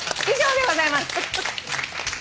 以上でございます。